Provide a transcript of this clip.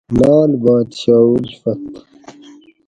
لعل بادشاہ الفت